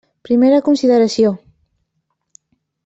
Primera consideració.